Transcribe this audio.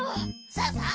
さあさあ